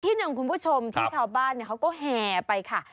หนึ่งคุณผู้ชมที่ชาวบ้านเขาก็แห่ไปค่ะ